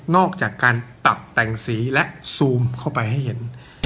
อกจากการปรับแต่งสีและซูมเข้าไปให้เห็น